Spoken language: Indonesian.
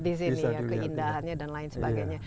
di sini ya keindahannya dan lain sebagainya